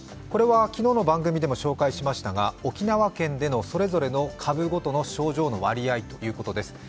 これは昨日の番組でも紹介しましたが、沖縄県でのそれぞれの株ごとの症状の割合ということです。